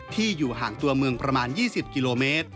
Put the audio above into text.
อยู่ห่างตัวเมืองประมาณ๒๐กิโลเมตร